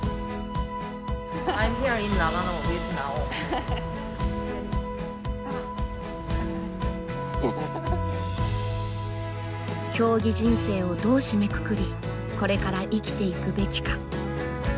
「競技人生をどう締めくくりこれから生きていくべきか」。